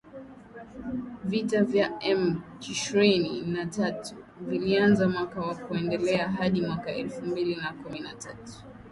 Vita vya M kshirini na tatu vilianza mwaka na kuendelea hadi mwaka elfu mbili na kumi na tatu